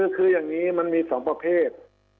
คืออย่างนี้มันมี๒ประเภท